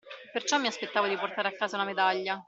Perciò mi aspettavo di portare a casa una medaglia.